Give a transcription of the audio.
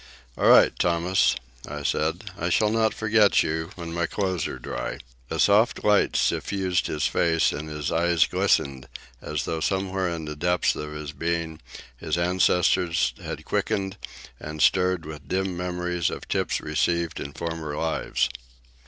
"All right, Thomas," I said. "I shall not forget you—when my clothes are dry." A soft light suffused his face and his eyes glistened, as though somewhere in the deeps of his being his ancestors had quickened and stirred with dim memories of tips received in former lives.